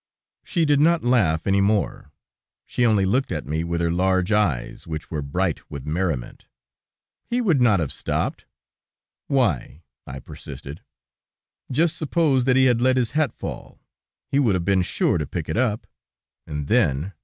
She did not laugh any more; she only looked at me with her large eyes, which were bright with merriment. "He would not have stooped." "Why?" I persisted. "Just suppose that he had let his hat fall, he would have been sure to pick it up, and then...